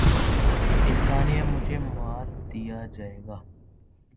ﺍﺱ ﮐﮩﺎﻧﯽ ﻣﯿﮟ ﻣﺠﮭﮯ ﻣﺎﺭ ﺩﯾﺎ ﺟﺎﺋﮯ ﮔﺎ